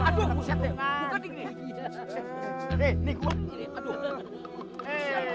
kamu pun keras keras jadi kabur tuh